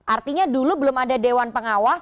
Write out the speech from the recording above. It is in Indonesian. artinya dulu belum ada dewan pengawas